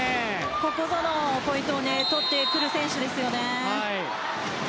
ここぞのポイントを取ってくる選手です。